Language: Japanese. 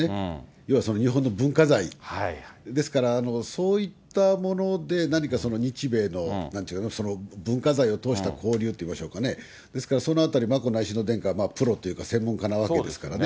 要は日本の文化財。ですから、そういったもので何か日米の、なんていうか、文化財を通した交流といいましょうかね、ですからそのあたり、眞子内親王はプロというか、専門家なわけですからね。